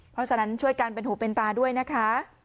เพราะฉะนั้นช่วยกันเป็นหูเป็นตาด้วยนะคะ